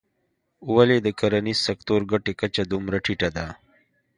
ولې د کرنیز سکتور ګټې کچه دومره ټیټه ده.